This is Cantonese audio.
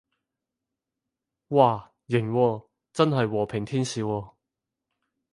嘩，型喎，真係和平天使喎